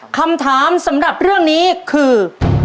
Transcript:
คำถามสำหรับเรื่องนี้คือ